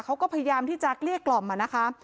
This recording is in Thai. เขาก็พยายามที่จะเกลี้ยกล่อมอะนะคะ